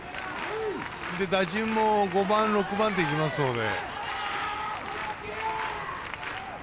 打順も５番、６番手、きますので。